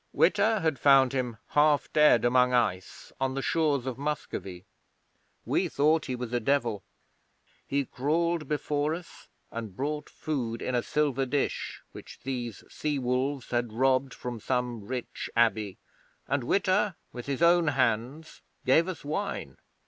Witta had found him half dead among ice on the shores of Muscovy. We thought he was a devil. He crawled before us and brought food in a silver dish which these sea wolves had robbed from some rich abbey, and Witta with his own hands gave us wine.